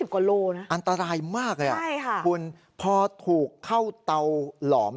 ๒๐กว่าโลนะใช่ค่ะอันตรายมากเลยอ่ะฝุ่นพอถูกเข้าเตาหลอม